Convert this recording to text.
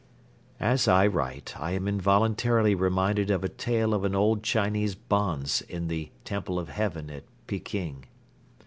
As I write I am involuntarily reminded of a tale of an old Chinese bonze in the Temple of Heaven at Peking.